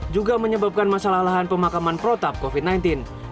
juga menyebabkan masalah lahan pemakaman protap covid sembilan belas